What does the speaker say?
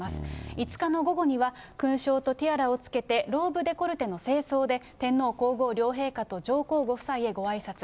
５日の午後には、勲章とティアラをつけて、ローブデコルテの正装で、天皇皇后両陛下と上皇ご夫妻へごあいさつ。